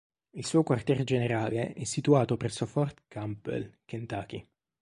Il suo quartier generale è situato presso Fort Campbell, Kentucky.